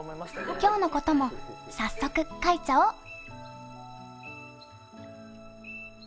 今日のことも早速書いちゃお。